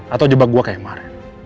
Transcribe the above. atau jebak gue kayak kemarin